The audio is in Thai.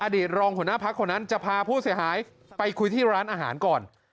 รองหัวหน้าพักคนนั้นจะพาผู้เสียหายไปคุยที่ร้านอาหารก่อน